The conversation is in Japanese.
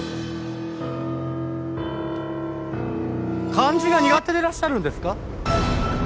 漢字が苦手でいらっしゃるんですか？